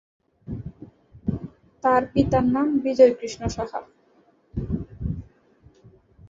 তার পিতার নাম বিজয়কৃষ্ণ সাহা।